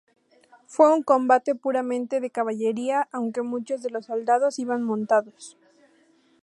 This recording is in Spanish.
Fue un combate puramente de caballería, aunque muchos de los soldados iban montados.